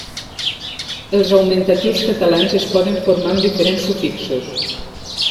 Els augmentatius catalans es poden formar amb diferents sufixos.